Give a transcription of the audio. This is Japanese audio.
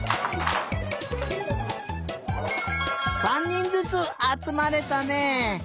３にんずつあつまれたね！